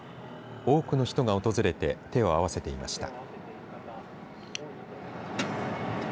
多くの人が訪れて手を合わせていました。